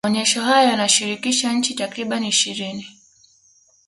maonesho hayo yanashirikisha nchi takribani ishirini